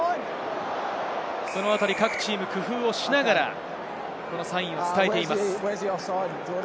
そのあたり、各チーム工夫をしながらサインを伝えています。